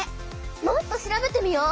もっと調べてみよう！